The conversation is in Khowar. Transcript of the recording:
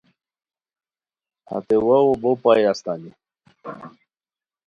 ہتے واؤ بو پائے استانی